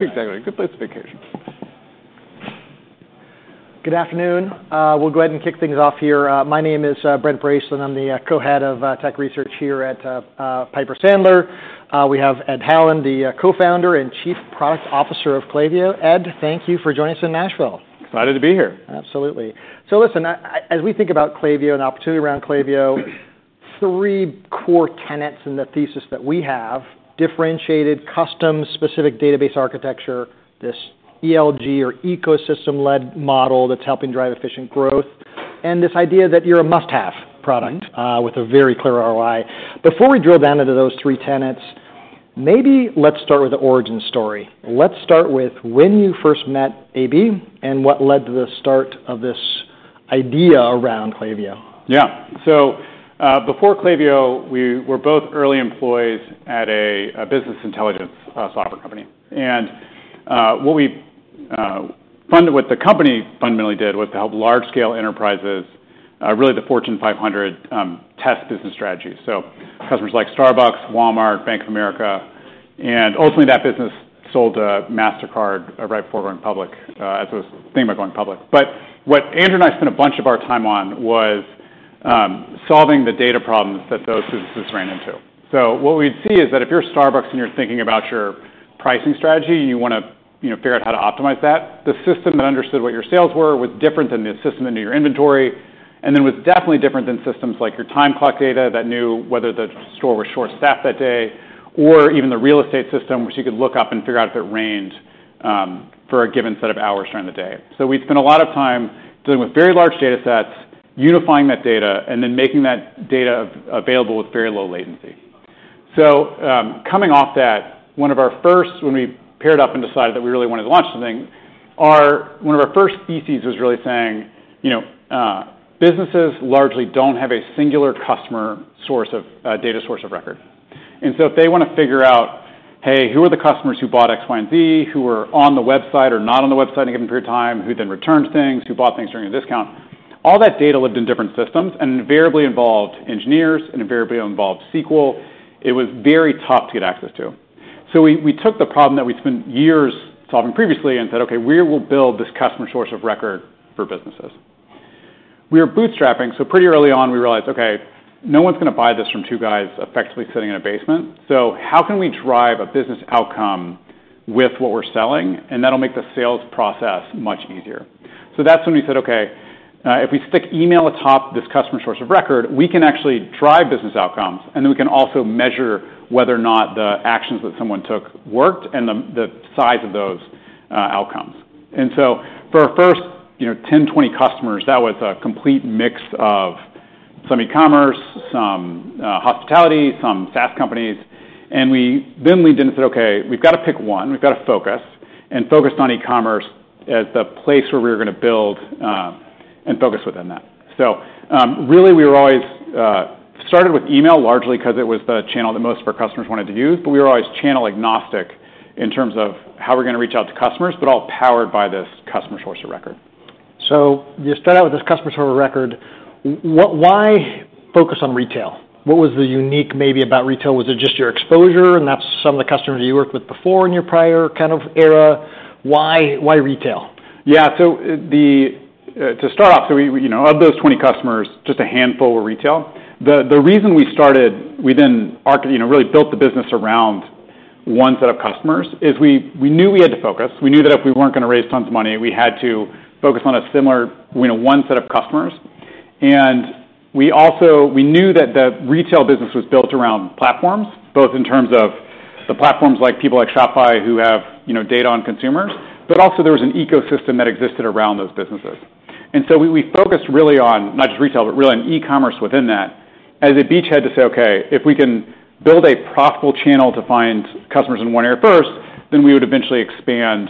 Exactly, a good place to vacation. Good afternoon. We'll go ahead and kick things off here. My name is Brett Bracelin. I'm the co-head of tech research here at Piper Sandler. We have Ed Hallen, the Co-founder and Chief Product Officer of Klaviyo. Ed, thank you for joining us in Nashville. Excited to be here. Absolutely. So listen, as we think about Klaviyo and opportunity around Klaviyo, three core tenets in the thesis that we have: differentiated, custom-specific database architecture, this ELG or ecosystem-led model that's helping drive efficient growth, and this idea that you're a must-have product-... with a very clear ROI. Before we drill down into those three tenets, maybe let's start with the origin story. Let's start with when you first met AB and what led to the start of this idea around Klaviyo. Yeah. So, before Klaviyo, we were both early employees at a business intelligence software company. And what the company fundamentally did was to help large-scale enterprises, really the Fortune 500, customers like Starbucks, Walmart, Bank of America. And ultimately, that business sold to Mastercard, right before we went public, as it was thinking about going public. But what Andrew and I spent a bunch of our time on was solving the data problems that those businesses ran into. So what we'd see is that if you're Starbucks and you're thinking about your pricing strategy, and you wanna, you know, figure out how to optimize that, the system that understood what your sales were was different than the system into your inventory, and then was definitely different than systems like your time clock data, that knew whether the store was short-staffed that day, or even the real estate system, which you could look up and figure out if it rained for a given set of hours during the day. So we'd spent a lot of time dealing with very large data sets, unifying that data, and then making that data available with very low latency. So, coming off that, one of our first... When we paired up and decided that we really wanted to launch something, one of our first theses was really saying, you know, businesses largely don't have a singular customer source of data source of record. And so if they wanna figure out, hey, who are the customers who bought X, Y, and Z, who were on the website or not on the website in a given period of time, who then returned things, who bought things during a discount? All that data lived in different systems and invariably involved engineers, and invariably involved SQL. It was very tough to get access to. So we took the problem that we'd spent years solving previously and said, "Okay, we will build this customer source of record for businesses." We were bootstrapping, so pretty early on, we realized, okay, no one's gonna buy this from two guys effectively sitting in a basement. So how can we drive a business outcome with what we're selling? And that'll make the sales process much easier. So that's when we said, "Okay, if we stick email atop this customer source of record, we can actually drive business outcomes, and then we can also measure whether or not the actions that someone took worked and the size of those outcomes." And so for our first, you know, 10, 20 customers, that was a complete mix of some e-commerce, some hospitality, some SaaS companies, and we then leaned in and said, "Okay, we've got to pick one. We've got to focus," and focused on e-commerce as the place where we were gonna build and focus within that. Really, we were always started with email largely 'cause it was the channel that most of our customers wanted to use, but we were always channel agnostic in terms of how we're gonna reach out to customers, but all powered by this customer source of record. So you start out with this customer source of record. What, why focus on retail? What was the unique maybe about retail? Was it just your exposure, and that's some of the customers you worked with before in your prior kind of era? Why, why retail? Yeah. So, to start off, so we, you know, of those 20 customers, just a handful were retail. The reason we started, you know, really built the business around one set of customers, is we knew we had to focus. We knew that if we weren't gonna raise tons of money, we had to focus on a similar, you know, one set of customers. And we also knew that the retail business was built around platforms, both in terms of the platforms like people like Shopify, who have, you know, data on consumers, but also there was an ecosystem that existed around those businesses. And so we focused really on not just retail, but really on e-commerce within that, as a beachhead to say, okay, if we can build a profitable channel to find customers in one area first, then we would eventually expand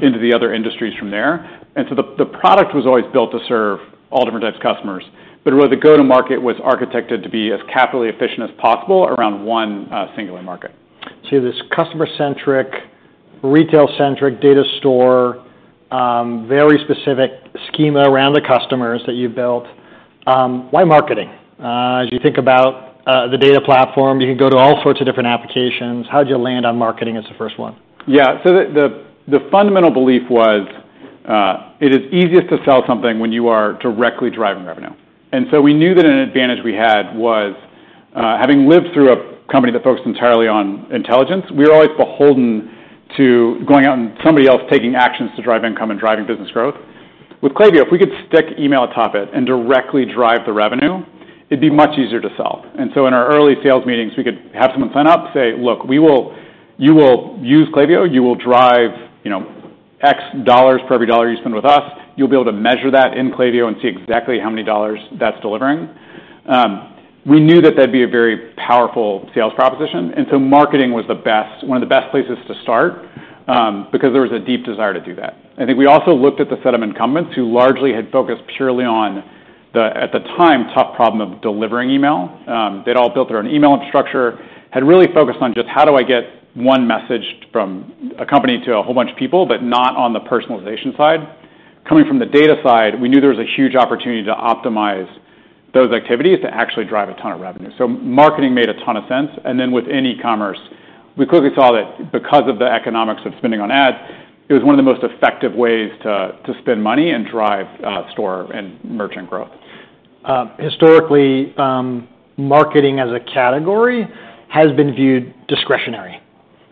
into the other industries from there. And so the product was always built to serve all different types of customers, but really the go-to-market was architected to be as capital efficient as possible around one singular market. So this customer-centric, retail-centric data store, very specific schema around the customers that you built. Why marketing? As you think about the data platform, you can go to all sorts of different applications. How did you land on marketing as the first one? Yeah. So the fundamental belief was, it is easiest to sell something when you are directly driving revenue. And so we knew that an advantage we had was, having lived through a company that focused entirely on intelligence, we were always beholden to going out and somebody else taking actions to drive income and driving business growth. With Klaviyo, if we could stick email atop it and directly drive the revenue, it'd be much easier to sell. And so in our early sales meetings, we could have someone sign up and say: Look, you will use Klaviyo. You will drive, you know, X dollars for every dollar you spend with us. You'll be able to measure that in Klaviyo and see exactly how many dollars that's delivering. We knew that that'd be a very powerful sales proposition, and so marketing was the best, one of the best places to start, because there was a deep desire to do that. I think we also looked at the set of incumbents, who largely had focused purely on the, at the time, tough problem of delivering email. They'd all built their own email infrastructure, had really focused on just how do I get one message from a company to a whole bunch of people, but not on the personalization side. Coming from the data side, we knew there was a huge opportunity to optimize those activities to actually drive a ton of revenue. So marketing made a ton of sense, and then with e-commerce, we quickly saw that because of the economics of spending on ads, it was one of the most effective ways to spend money and drive store and merchant growth. Historically, marketing as a category has been viewed discretionary,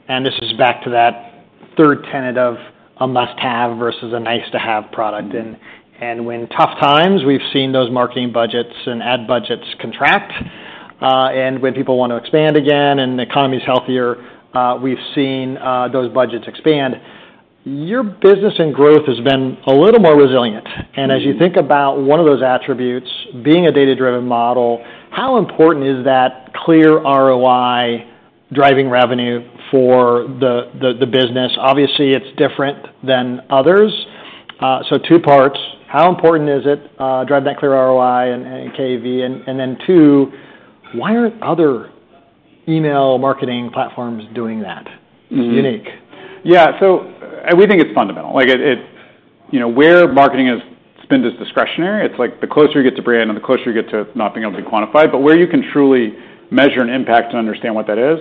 and this is back to that third tenet of a must-have versus a nice-to-have product. When tough times, we've seen those marketing budgets and ad budgets contract, and when people want to expand again and the economy's healthier, we've seen those budgets expand. Your business and growth has been a little more resilient. As you think about one of those attributes, being a data-driven model, how important is that clear ROI driving revenue for the business? Obviously, it's different than others. So two parts: How important is it, driving that clear ROI and KAV? And then two, why aren't other email marketing platforms doing that? -unique? Yeah. So, and we think it's fundamental. Like it. You know, where marketing spend is discretionary, it's like the closer you get to brand and the closer you get to not being able to quantify. But where you can truly measure an impact and understand what that is,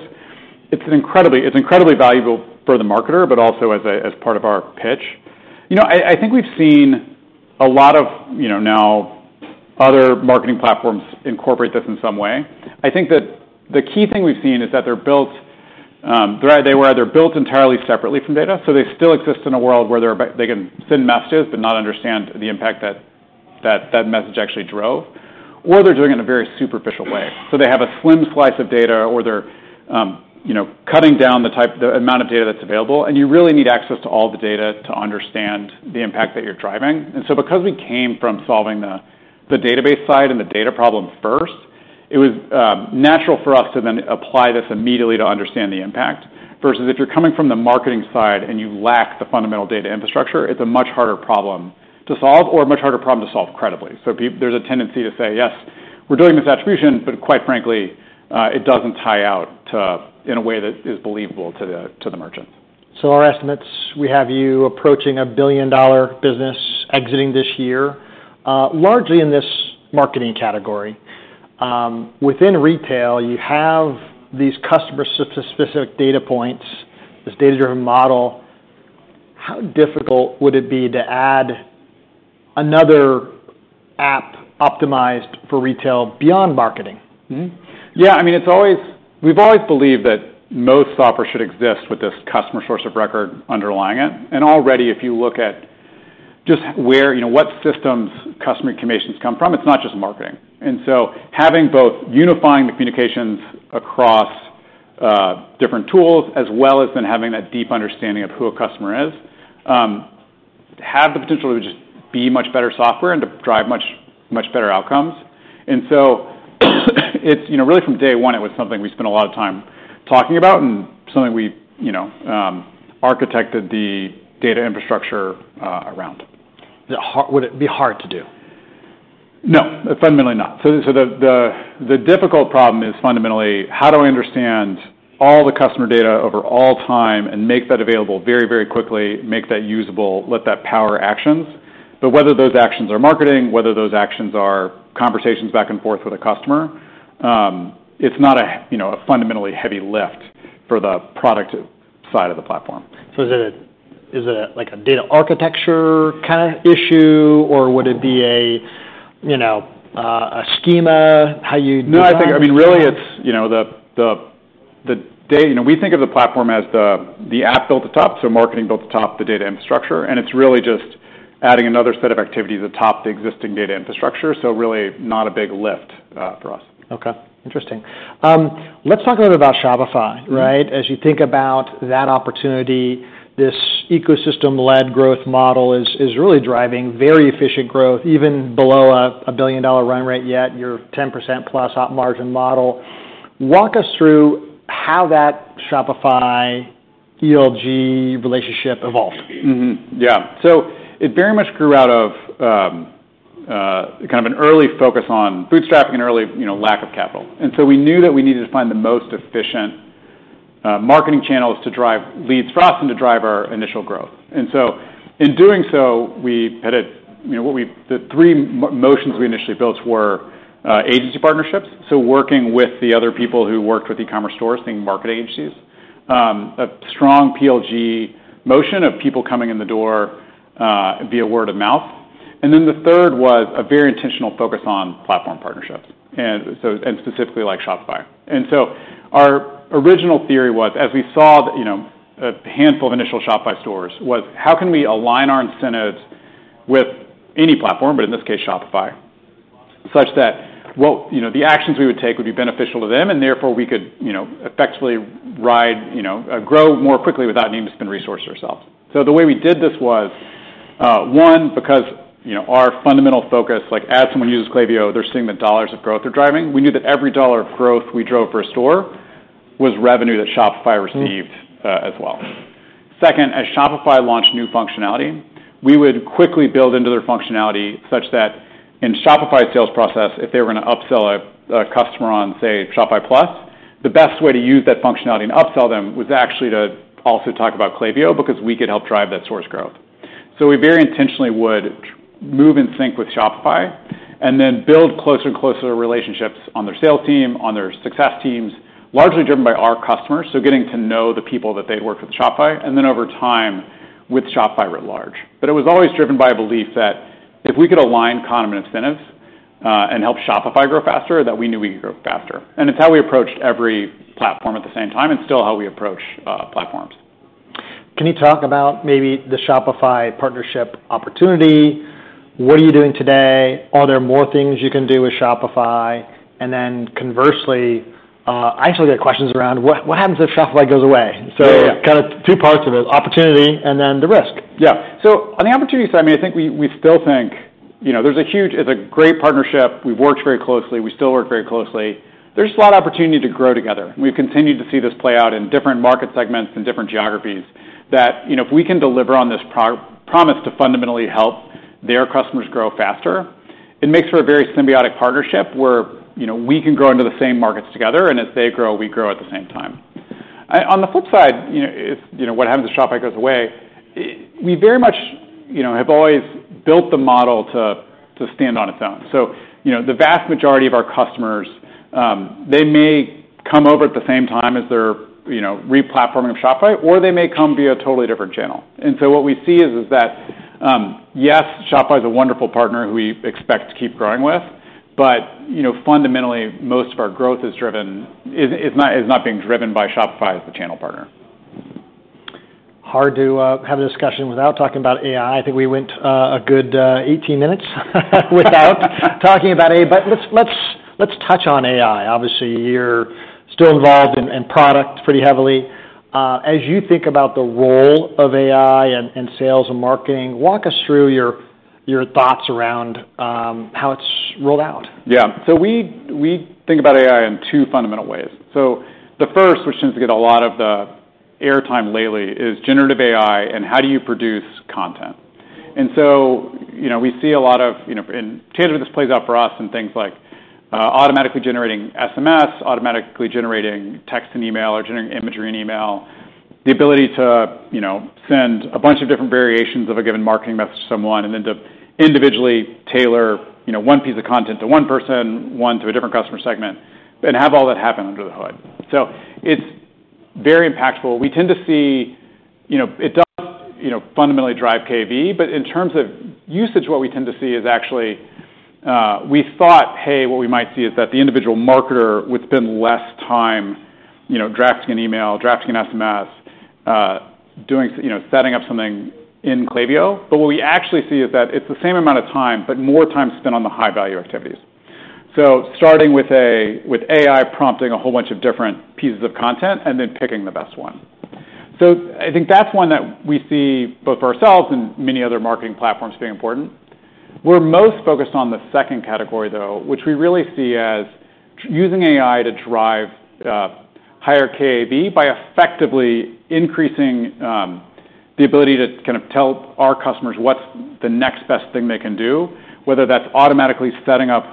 it's incredibly valuable for the marketer, but also as part of our pitch. You know, I think we've seen a lot of, you know, now other marketing platforms incorporate this in some way. I think that the key thing we've seen is that they're built. They're either built entirely separately from data, so they still exist in a world where they can send messages but not understand the impact that message actually drove, or they're doing it in a very superficial way. So they have a slim slice of data, or they're, you know, cutting down the amount of data that's available, and you really need access to all the data to understand the impact that you're driving. And so, because we came from solving the database side and the data problem first, it was natural for us to then apply this immediately to understand the impact. Versus if you're coming from the marketing side and you lack the fundamental data infrastructure, it's a much harder problem to solve or a much harder problem to solve credibly. So there's a tendency to say, "Yes, we're doing this attribution," but quite frankly, it doesn't tie out to, in a way that is believable to the merchant. So our estimates, we have you approaching a billion-dollar business exiting this year, largely in this marketing category. Within retail, you have these customer-specific data points, this data-driven model. How difficult would it be to add another app optimized for retail beyond marketing? Yeah, I mean, we've always believed that most software should exist with this customer source of record underlying it. And already, if you look at just where, you know, what systems customer information come from, it's not just marketing. And so having both unifying the communications across different tools, as well as then having that deep understanding of who a customer is, have the potential to just be much better software and to drive much, much better outcomes. And so, it's, you know, really, from day one, it was something we spent a lot of time talking about and something we, you know, architected the data infrastructure around. Yeah. How would it be hard to do? No, fundamentally not. So, the difficult problem is fundamentally, how do I understand all the customer data over all time and make that available very, very quickly, make that usable, let that power actions? But whether those actions are marketing, whether those actions are conversations back and forth with a customer, you know, it's not a fundamentally heavy lift for the product side of the platform. So is it a like a data architecture kinda issue, or would it be a you know a schema, how you do that? No, I think. I mean, really, it's, you know, the data. You know, we think of the platform as the app built atop, so marketing built atop the data infrastructure, and it's really just adding another set of activities atop the existing data infrastructure, so really not a big lift for us. Okay. Interesting. Let's talk a little about Shopify, right? As you think about that opportunity, this ecosystem-led growth model is really driving very efficient growth, even below a billion-dollar run rate, yet your 10+% op margin model. Walk us through how that Shopify ELG relationship evolved? So it very much grew out of kind of an early focus on bootstrapping and early, you know, lack of capital. And so we knew that we needed to find the most efficient marketing channels to drive leads for us and to drive our initial growth. And so in doing so, we headed, you know, the three motions we initially built were agency partnerships, so working with the other people who worked with e-commerce stores, think marketing agencies, a strong PLG motion of people coming in the door via word of mouth. And then the third was a very intentional focus on platform partnerships, and specifically like Shopify. And so our original theory was, as we saw, you know, a handful of initial Shopify stores, was how can we align our incentives with any platform, but in this case, Shopify, such that, well, you know, the actions we would take would be beneficial to them, and therefore, we could, you know, effectively ride, you know, grow more quickly without needing to spend resources ourselves. So the way we did this was, one, because, you know, our fundamental focus, like as someone uses Klaviyo, they're seeing the dollars of growth they're driving. We knew that every dollar of growth we drove for a store was revenue that Shopify received-... as well. Second, as Shopify launched new functionality, we would quickly build into their functionality such that in Shopify sales process, if they were going to upsell a customer on, say, Shopify Plus, the best way to use that functionality and upsell them was actually to also talk about Klaviyo, because we could help drive that source growth, so we very intentionally would move in sync with Shopify, and then build closer and closer relationships on their sales team, on their success teams, largely driven by our customers, so getting to know the people that they work with Shopify, and then over time, with Shopify writ large, but it was always driven by a belief that if we could align common incentives, and help Shopify grow faster, that we knew we could grow faster. And it's how we approached every platform at the same time, and still how we approach platforms. Can you talk about maybe the Shopify partnership opportunity? What are you doing today? Are there more things you can do with Shopify? And then conversely, I actually get questions around what happens if Shopify goes away? So kind of two parts of it: opportunity and then the risk. So on the opportunity side, I mean, I think we still think, you know, there's a huge, it's a great partnership. We've worked very closely. We still work very closely. There's a lot of opportunity to grow together. We've continued to see this play out in different market segments and different geographies, that, you know, if we can deliver on this promise to fundamentally help their customers grow faster, it makes for a very symbiotic partnership, where, you know, we can grow into the same markets together, and as they grow, we grow at the same time. On the flip side, you know, if, you know, what happens if Shopify goes away? We very much, you know, have always built the model to stand on its own. So, you know, the vast majority of our customers, they may come over at the same time as they're, you know, re-platforming of Shopify, or they may come via a totally different channel. And so what we see is that, yes, Shopify is a wonderful partner who we expect to keep growing with, but, you know, fundamentally, most of our growth is not being driven by Shopify as the channel partner. Hard to have a discussion without talking about AI. I think we went a good 18 minutes without talking about AI. But let's touch on AI. Obviously, you're still involved in product pretty heavily. As you think about the role of AI in sales and marketing, walk us through your thoughts around how it's rolled out. Yeah, so we think about AI in two fundamental ways, so the first, which seems to get a lot of the airtime lately, is generative AI and how do you produce content, and so, you know, we see a lot of, you know, and typically, this plays out for us in things like automatically generating SMS, automatically generating text and email, or generating imagery in email, the ability to, you know, send a bunch of different variations of a given marketing message to someone, and then to individually tailor, you know, one piece of content to one person, one to a different customer segment, and have all that happen under the hood, so it's very impactful. We tend to see. You know, it does, you know, fundamentally drive KAV, but in terms of usage, what we tend to see is actually, we thought, hey, what we might see is that the individual marketer would spend less time, you know, drafting an email, drafting an SMS, doing you know, setting up something in Klaviyo. But what we actually see is that it's the same amount of time, but more time spent on the high-value activities. So starting with AI, prompting a whole bunch of different pieces of content and then picking the best one. So I think that's one that we see, both for ourselves and many other marketing platforms, being important. We're most focused on the second category, though, which we really see as using AI to drive higher KAV by effectively increasing the ability to kind of tell our customers what's the next best thing they can do, whether that's automatically setting up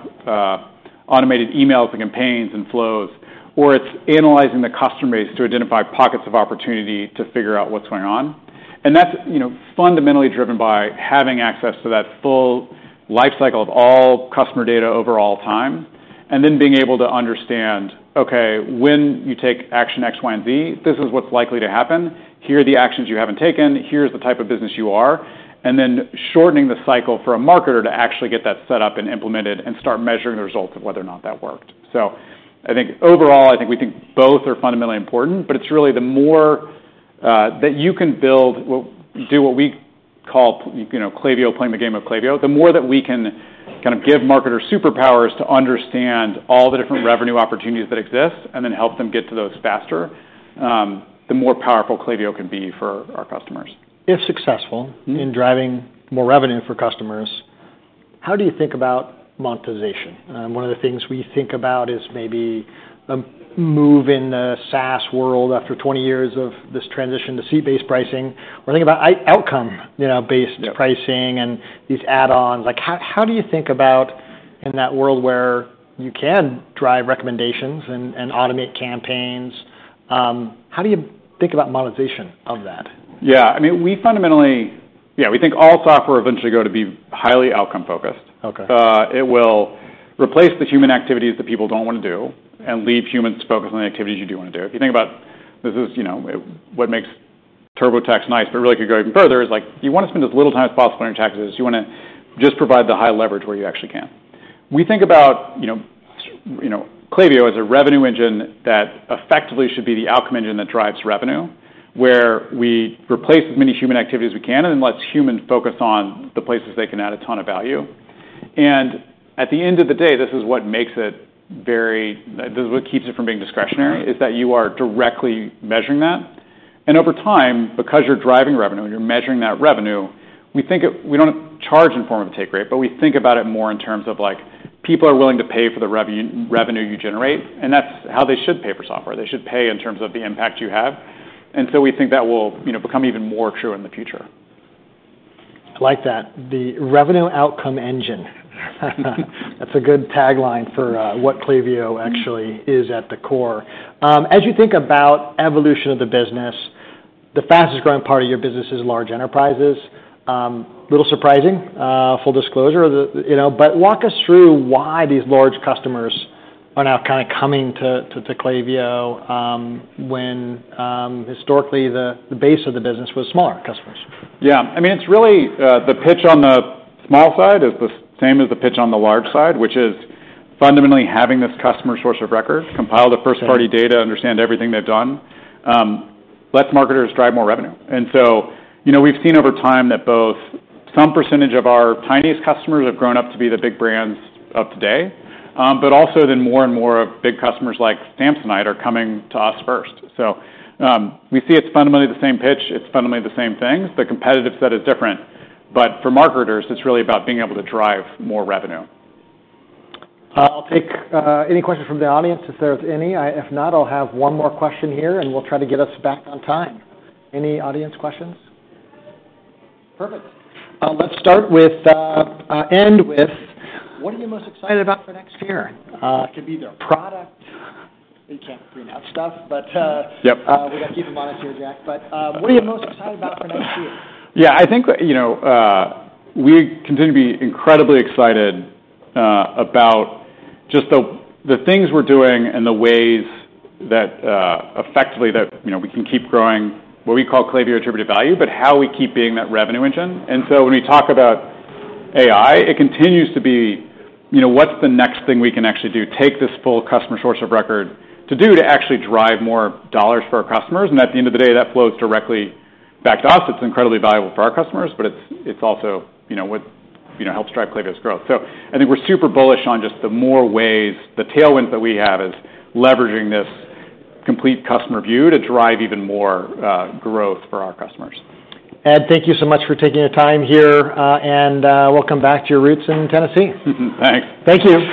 automated emails and campaigns and flows, or it's analyzing the customer base to identify pockets of opportunity to figure out what's going on, and that's, you know, fundamentally driven by having access to that full life cycle of all customer data over all time, and then being able to understand, okay, when you take action X, Y, and Z, this is what's likely to happen. Here are the actions you haven't taken, here's the type of business you are, and then shortening the cycle for a marketer to actually get that set up and implemented and start measuring the results of whether or not that worked. So I think overall, I think we think both are fundamentally important, but it's really the more that you can build, well, do what we call, you know, Klaviyo playing the game of Klaviyo, the more that we can kind of give marketers superpowers to understand all the different revenue opportunities that exist and then help them get to those faster, the more powerful Klaviyo can be for our customers. If successful-... in driving more revenue for customers, how do you think about monetization? One of the things we think about is maybe a move in the SaaS world after twenty years of this transition to seat-based pricing, or think about outcome, you know, based- on pricing and these add-ons. Like, how do you think about in that world where you can drive recommendations and automate campaigns, how do you think about monetization of that? Yeah, I mean, we fundamentally... Yeah, we think all software eventually go to be highly outcome-focused. It will replace the human activities that people don't want to do and leave humans to focus on the activities you do want to do. If you think about, this is, you know, what makes TurboTax nice, but really could go even further, is like, you want to spend as little time as possible on your taxes. You want to just provide the high leverage where you actually can. We think about, you know, you know, Klaviyo as a revenue engine that effectively should be the outcome engine that drives revenue, where we replace as many human activity as we can and then lets humans focus on the places they can add a ton of value. And at the end of the day, this is what makes it very, this is what keeps it from being discretionary- is that you are directly measuring that. And over time, because you're driving revenue, you're measuring that revenue, we think it we don't charge in form of take rate, but we think about it more in terms of, like, people are willing to pay for the revenue you generate, and that's how they should pay for software. They should pay in terms of the impact you have. And so we think that will, you know, become even more true in the future. I like that. The revenue outcome engine. That's a good tagline for what Klaviyo actually is at the core. As you think about evolution of the business, the fastest growing part of your business is large enterprises. A little surprising, full disclosure, you know, but walk us through why these large customers are now kind of coming to Klaviyo, when historically the base of the business was smaller customers. Yeah. I mean, it's really, the pitch on the small side is the same as the pitch on the large side, which is fundamentally having this customer source of record, compile the first-party data, understand everything they've done, lets marketers drive more revenue. And so, you know, we've seen over time that both some percentage of our tiniest customers have grown up to be the big brands of today, but also then more and more of big customers like Samsonite are coming to us first. So, we see it's fundamentally the same pitch, it's fundamentally the same things. The competitive set is different, but for marketers, it's really about being able to drive more revenue. I'll take any questions from the audience, if there's any. If not, I'll have one more question here, and we'll try to get us back on time. Any audience questions? Perfect. Let's end with what are you most excited about for next year? It could be the product. You can't preannounce stuff, but. We've got people monitoring, Jack. But, what are you most excited about for next year? Yeah, I think, you know, we continue to be incredibly excited about just the things we're doing and the ways that effectively that you know we can keep growing what we call Klaviyo Attributed Value but how we keep being that revenue engine. And so when we talk about AI, it continues to be you know what's the next thing we can actually do? Take this full customer source of record to do to actually drive more dollars for our customers, and at the end of the day, that flows directly back to us. It's incredibly valuable for our customers, but it's also you know what you know helps drive Klaviyo's growth. So I think we're super bullish on just the more ways, the tailwind that we have is leveraging this complete customer view to drive even more growth for our customers. Ed, thank you so much for taking the time here. Welcome back to your roots in Tennessee. Thanks. Thank you.